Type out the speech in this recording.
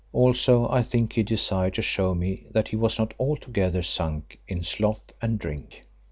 Also I think he desired to show me that he was not altogether sunk in sloth and drink.